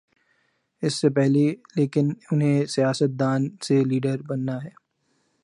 اس سے پہلے لیکن انہیں سیاست دان سے لیڈر بننا ہے۔